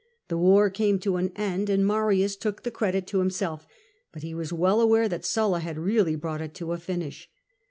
The war came to an end, and Marius took the credit to himself, but he was well aware that Sulla had really brought it to a finish.